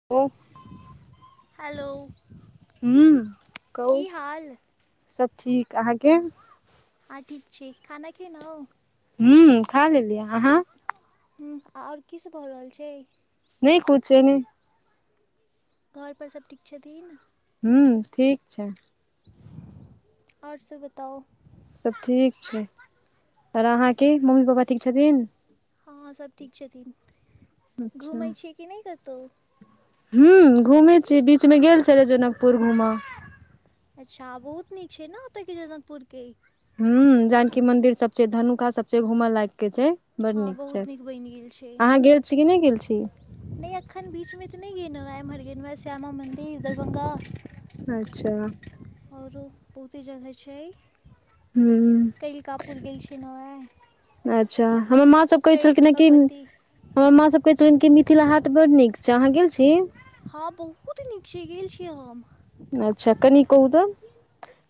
[unintelligible] [unintelligible] hello हू कहू की हाल सब ठीक अहाँके ह ठीक छै खाना खैनो हू खा लेलिय अहाँ ह आ और की सब भऽ रहल छै नहि कुछो न घर पर सभ ठीक छथिन हू ठीक छै [unintelligible] और सब बताउ सब ठीक छै पर अहाँ के मम्मी पापा ठीक छथिन हँ सब ठीक छथिन अच्छा घूमै छियै कि नहि कतहु हू घूमे छी बीच मे गेल छले जनकपुर घूमेऽ अच्छा बहुत नीक छै ने ओतयके जनकपुरके ह जानकी मंदिर सब छै धनुखा सब छै घूम लायक के छै बड़ हँ नीक छै बहुत बनि गेल छै अहाँ गेल छी कि नहि गेल छी नहि एखन बीच मे तऽ नहि गेलो ये इमहर गेलो ये श्यामा मंदिर दरभंगा अच्छा आओरो बहुते जगह छै हू तेलकापुर गेल छी नै अच्छा हमर माँ सब कहै छलखिन हेँ कि भगवती हमर माँ सब कहय छलनि की मिथिला हाट बड नीक छै अहाँ गेल छी हँ बहुत नीक छै गेल छीयै हम अच्छा कनि कहू त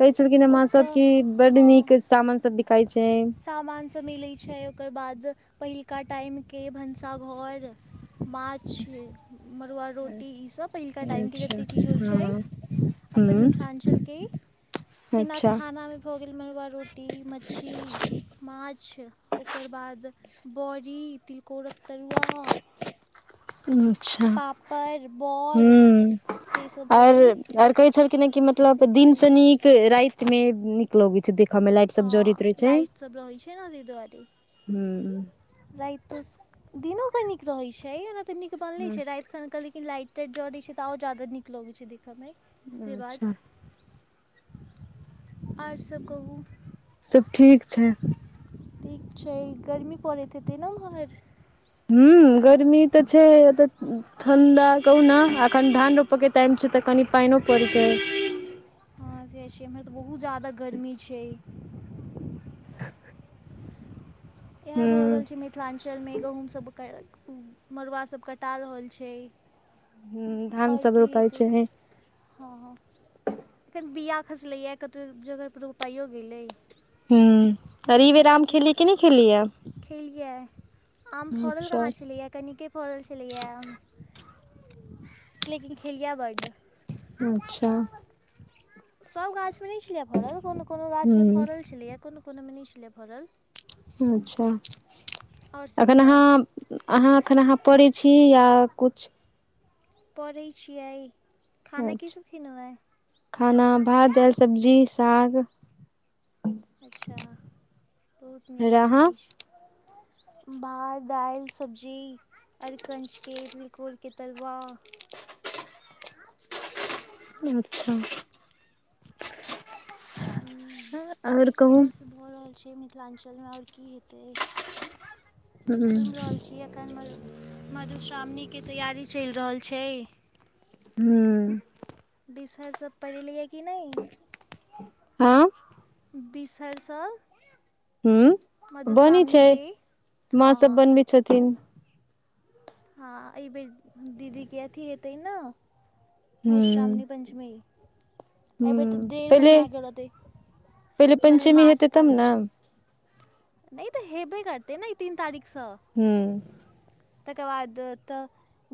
कहै छलखिन हमाँ सब ओतऽ की बड हँ नीक सामान सब बिकाई छै सामान सब मिलै छै ओकर बाद पहिलुका टाइमके भनसाघर माछ मरूआ रोटी ईसभ पहिलका टाइमके जतेक चीज होइ छै हँ अपन ह मिथिलांचल के बिना अच्छा खाना हो गेल मरुआ रोटी मछली माछ ओकर बाद बड़ी तिलकोरक तरुआ अच्छा पापड़ बड़ हूं से सब भऽ आर गेल आर कहे छलखिन ह की मतलब सब दिन से मिलैत नीक राति मे नीक लगैत छै दिख मे लाइट सब हँ जड़ैत रहे छै लाइट सब रहै ह राति तऽ दिनो क निक रहैत छै ओना तऽ नीक बनलै छै राति कनिकल लाइटे टाइट जरय रहै छै त आओर ज्यादा नीक लगे छै देखय मे अच्छा आओर सभ कहू सब ठीक छै ठीक छै गर्मी पड़ैत हेतै ने उम्हर हू गर्मी तऽ छै अतय ठंडा कहू ने अखन धान रोपे के टाइम छै तऽ कनि पाइनो परय छै हँ से छै एम्हर तऽ बहुत ज्यादा गर्मी छै [unintelligible] इएह ह भऽ रहल छै मिथिलांचलमे गहुँम सब मरूआ सब कटा रहल छै ह धान आओर सब की रोपाइ हेते छै हँ हँ अखन बीआ खसलैए कतहु जगह रोपाइयो गेलै हूँ अरी जिनका विराम जिन खेलीयै कि नहि खेलियै खेलियै आम फड़ल अच्छा कहाँ छलैए कनिके फड़ल छलैए लेकिन खेलियै बड् अच्छा सभ गाछमे नहि छलैए फड़ल कोनो कोनो गाछमे हूँ फड़ल छलैए कोनो कोनोमे नहि छलै फड़ल अच्छा आओर सभ एखन बताउ अहाँ अहाँ एखन अहाँ पढै छी या कुछ पढ़ै छियै खाना अच्छा कीसभ खेनो ये खाना भात दाल सब्जी साग अच्छा बहुत नीक रहाँ खाना अछि भात दालि सब्जी अरकञचके तिलकोरके तरुआ अच्छा आओर कहू इएहसभ भऽ रहल छै मिथिलाञ्चलमे आओर की हेतै हूँ घुम रहल छी एखन मधुश्रावणी के तैयारी चेल रहल छै हुँ बिसयसभ पड़ेलियै कि नहि हा बिसर सभ हू बनी छै हँ माँ सब हँ बनबै छथिन हँ एहि बेर दीदी के अथि हेतै न हूँ मधुश्रामणी पञ्चमी एहि बेर तऽ हूँ देडढ़ पहिले महीना के रहतै पहिले पंचमी मल्लेमास हेतै तब पड़ै ने छै नहि तऽ हेबे करतै ने ई तीन तारीखसँ हुँ तेकर बाद तऽ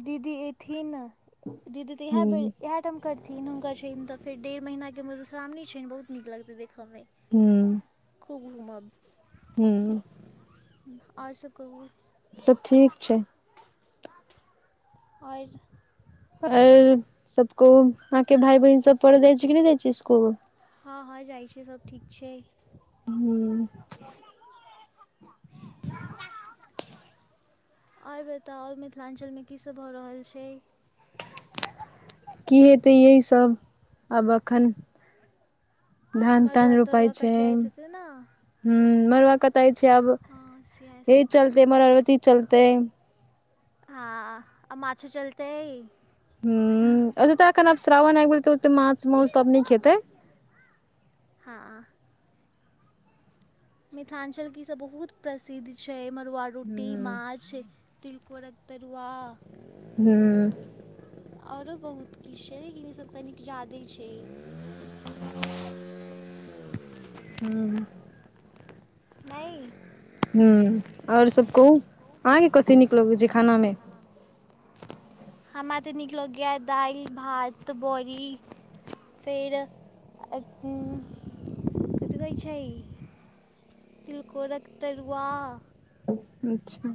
दीदी एथिन दीदी त इएह हूँ इह टाम [unintelligible] करथिन हुनकर छै तऽ फेर डेढ़ महीना के मधुश्रावणी छनि बहुत नीक लगतै देखय मे हूँ कबमम हूँ आओर सब कहू सब ठीक आओर आऔर सबको कहू अहाँ के भाय बहिन सब पढ़ जाय छै कि नहि जाय छै इसकुल हँ हँ जाइ छै सब ठीक छै हू आइ बताउ मिथिलाञ्चलमे कीसभ भऽ रहल छै की हेतै यही सब आब एखन धान तान मड़ुआ रोपाइ तरुआ छै कटियाइत हेतै ने ह मरुआ कटाई छै अब प [unintelligible] से यहि चलतै मर [unintelligible] अरब त चलतै हँ आ माछो चलतै ह अत तऽ एन आब श्रावण एकबै तऽ ओ माछ मौस त आब नइ खेतै हँ मिथिलाञ्चल क ईसभ बहुत प्रसिद्ध छै मड़ुआ रोटी ह माछ तिलकोड़क तरुआ हू आओरो बहुत किछु छै लेकिन ईसभ कनिक जादे छै हँ नहि हु आऔर सब कहू अहाँके कथी नीक लगैत छै खाना मे हमरा तऽ नीक लगैया दाइल भात बड़ी फेर [unintelligible] कुदबै छै तिलकोरक तरुआ अच्छा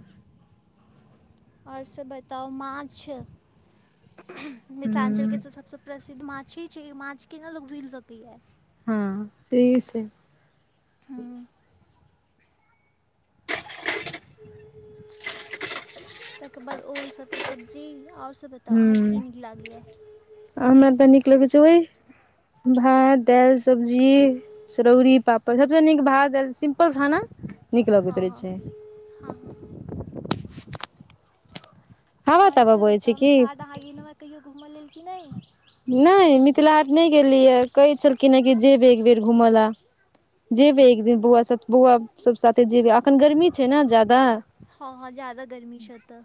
आओर से बताउ माछ मिथिलाञ्चलके तऽ सबसँ प्रसिद्ध माछी छै माछ केना लोक भूलि सकैए हँ सही छै हू [inaudible] तकर बाद ओलसभके सब्जी आओर सभ बताउ अहाँके की ह नीक लागैया हमरा तऽ नीक लगैत छै ओहि भात दालि सब्जी चरोड़ी पापड़ सबस नीक भात दाल सिम्पल खाना नीक लगैत हँ रहै छै हँ हँ हवा ओर तावा सभ बहै छै बताऊ की मिथिला हाट [inaudible] कहियो घूमय लेल कि नहि नहि मिथिला हाट नहि गेलिय है कहै छलखिन हँ कि जेबै एक बेर घूमय लए जेबै एक दिन बौआ सब बौआ सब साथे जेबै अखन गर्मी छै नऽ ज्यदा हँ हँ ज्यादा गर्मी छै अतऽ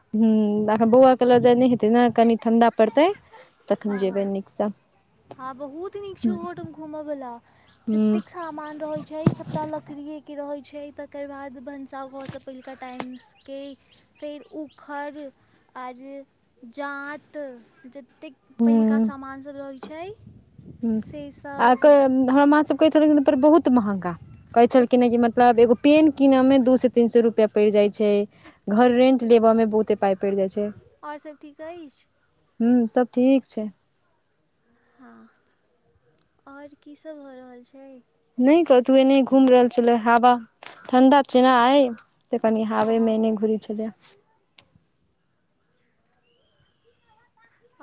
हखन बौआ क लजय जे नहि हेतै ने कनी ठण्डा पड़तै तखन हँ हँ जेबै नीकसँ हँ बहुत नीक छै ओहो ठाम घूमे वलाा जतेक ह सामान रहै छै सबटा लकड़ीे के रहै छै तकर बाद भनसा घर सब पहिलका टाइमसके फेर उखड़ आर जात जतेक पहिलका सामान सभ रहैत छै हू से आ सब हमर माँ सब कहै छलखिन बहुत महगा कहै छलखिन हँ कि मतलब एगो पेन क किनयमे दू सौ तीन सौ रुपैआ पड़ि जाइ छै घर रेंट लेबा में बहुते पााय पड़ि जाय छै ओर सभ ठीक अछि हूँ सब ठीक छै हँ ओर की सब भऽ रहल छै नहि कतहु एने घूम रहल छलै हवा ठण्डा जेना अइ तऽ कनि हँ हाबे हँ मै अनि घुरी छलैय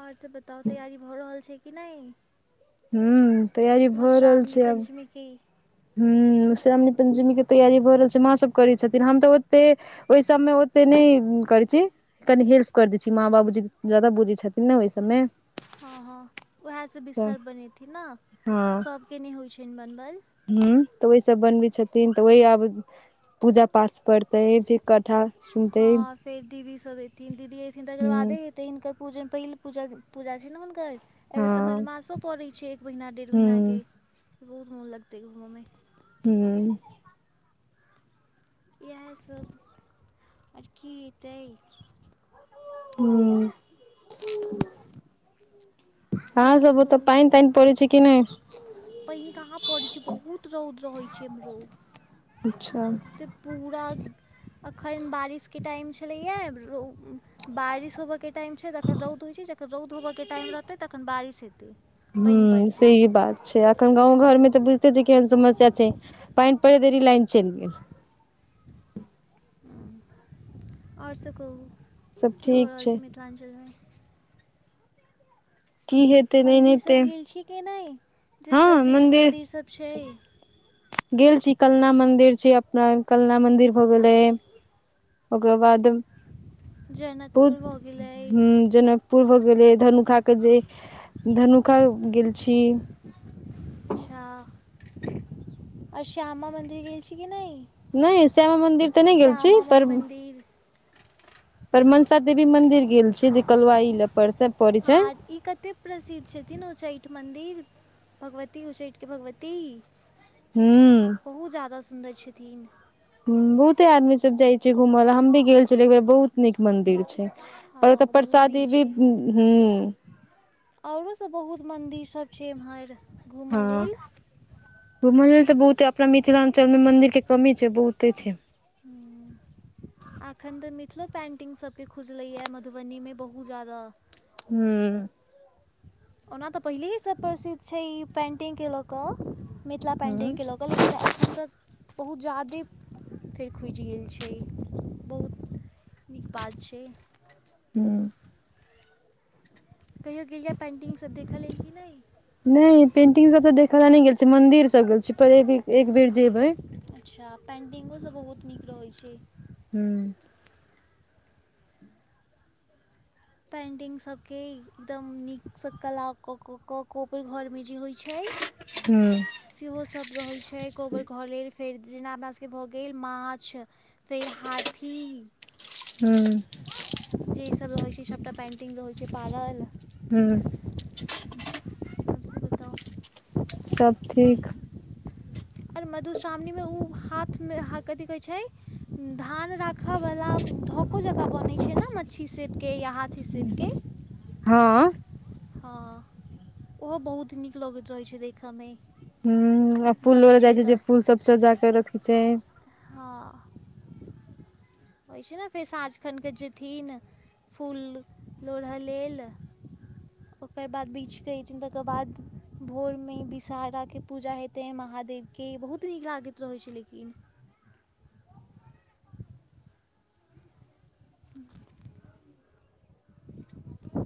ओर सब बताउ तैयारी भऽ रहल छै कि नहि हू तैयारी भऽ रहल छै आब की ह मधश्रावणी पं्चमी के तैयारी भऽ रहल छै माँ सब करै छथिन हम तऽ ओते ओहि सबमे ओते नहि करै छी कनी हेल्प करि दै छी माँ बाबूजी ज्यादा बूजै छथिन नऽ ओहि सभमे हँ हँ उएहसँ बिसहारा बनेथिन नऽ सभके नहि होइत छनि बनबल हू तऽ ओहि सब बनबै छथिन तऽ ओह आब पूजा पाठ पर ते कथठा सुन तेह हँ फेर दीदी सब एयथिन दीदी एयथिन तकर बादेे हेते तऽ हिनकर पूजन पहिलू पूजा छै ने हुनकर एहिबेर तऽ हँ मलेमासो पड़ैत छै एक महिना डेढ़ ह महिनाकेऽ बहुत मोन लगतै घूमऽमे हूँ इएह सब ओर की हेतै हू आओर आहाँ सब सभ ओतय कहू पैन तैन परे छै कि नहि पैन कहाँ पड़ै छै बहुत रौद रहै छै अमरो अच्छा तऽ पूरा अखन बारिशके टाइम छलैया बारिश होबयके टाइम छै जखन रौद होइत छै जखन रौद होबयके टाइम रहतै तखन बारिश हेतै ह पानि पड़तै सही बात छै अखन गाँव घरमे तऽ बुझ े छै केहन समस्या छै पैन पड़े देरी लाइन चैल गेल ह आओर सब कहू सब की हो ठीक रहल छै मिथिलाञ्चलमे की हेतै नहि मंदिर हेतै सब गेल छी के नहि जे प्रसिद्ध मंदिर सब छै गेल छी कलना मंदिर छी अपना कलना मंदिर भऽ गेलै ओकर बाद बहुत जनकपुर भऽ गेलै जेना पूर भऽ गेले धनुखा के जे धनुखा गेल छी अच्छा आओर श्यामा मन्दिर गेल छी कि नहि नहि श्यामा मंन्दिर तऽ नहि गेल छी पर तीन परमंसा देवी मंदिर गेल छै जे कलुवाई ले पड़ैत छै आर ई कतेक प्रसिद्ध छथिन उच्चैठ मन्दिर भगवती उच्चैठके भगवती हू बहुत ज्यादा सुन्दर छथिन बहुते आदमी सब जाय छै घूमय ला हम भी गेल छै एक बेर बहुत नीक मंदिर छै पर ओ तऽ हँ बहुत नीक प्रसादी भी छै हूं आओरो सभ बहुत मन्दिर सब छै एम्हर घूमऽ लेल घुमल से बहुते अपना मिथिलांचल मे मंदिर के कमी छै बहुते छै ह अखन त मि मिथिलो पेन्टिंग सबके खुजलैए मधुबनीमे बहुत ज्यादा हू ओना तऽ पहिलेसँ प्रसिद्ध छै ई पेन्टिंगके लऽ कऽ मिथिला पेन्टिंगके लऽ कऽ लेकिन एखन तक बहुत ज्यादे फेर खुजि गेल छै बहुत नीक बात छै हू कहियो गेलियै या पेन्टिंगसभ देखय लेल कि नहि नहि पेंटिंग सब ते देख ला नै गेल छी मंदिर सब गेल छी पर एक बेर जेबय अच्छा पेन्टिंगोसभ बहुत नीक रहैत छै हू पेंटिंग सब के एकदम नीकसँ कला क कऽ कक ओकर घर मे जे होइ छै हूँ सेहो सभ रहैत छै कोबर घर लेल फेर जेना अपना सबके भऽ गेल माछ फेर हाथी हूँ जे ईसभ रहैत छै सभटा पेन्टिंग रहै छै पारल हूँ ओ त सब ठीक और मधुश्रावणीमे ओ हाथमे कथि कहैत छै धान राख वाला ढको जेका बनै छै न मच्छी सेट के या हाथ हूँ हँ ओहो बहुत नीक लगैत रहैत छै देखय मे हूँ आ फूल लोढ़य जाइ छै जे फुल सब सजाक रखै छै हँ होइ छै ने फेर साँझ खन कऽ जेथिन फूल लोढ़य लेल ओकर बाद बीछ क एथिन तकर बाद भोरमे विषहराके पूजा हेतै महादेवके बहुत नीक लागैत रहैत छै लेकिन [inaudible] [inaudible]